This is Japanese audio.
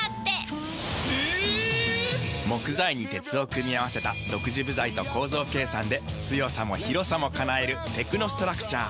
木材に鉄を組み合わせた独自部材と構造計算で強さも広さも叶えるテクノストラクチャー。